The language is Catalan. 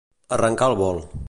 Arrencar el vol.